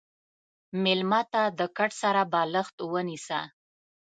مېلمه ته د کټ سره بالښت ونیسه.